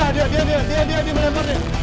tunggu dia dia dia dia melempar deh